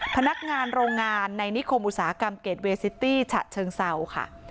พนักงานโรงงานในนิคมอุตสาหกรรมเกรดเวซิตี้ฉะเชิงเศร้าค่ะ